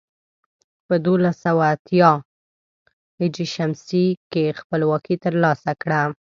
په دولس سوه اتيا ه ش کې خپلواکي تر لاسه کړه.